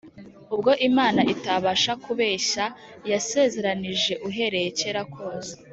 ubwo Imana itabasha kubeshya yasezeranije uhereye kera kose.